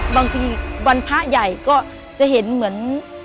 บางทีวันพระใหญ่ก็จะเห็นเหมือน